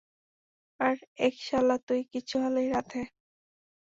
আর এক শালা তুই, কিছু হলেই রাধে!